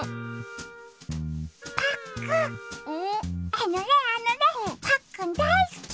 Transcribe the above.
あのねあのねパックンだいすき！